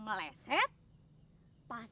eh begitu lah